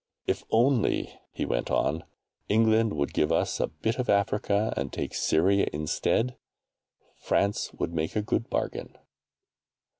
"If only," he went on, "England would give us a bit of Africa and take Syria instead, France would make a good bargain."